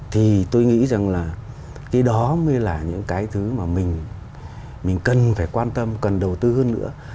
thì tôi nghĩ rằng là cái đó mới là những cái thứ mà mình cần phải quan tâm cần đầu tư hơn nữa